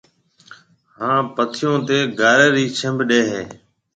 ھان پٿيو تيَ گارَي رِي ڇنڀ ڏَي ھيََََ